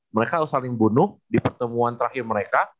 mereka harus saling bunuh di pertemuan terakhir mereka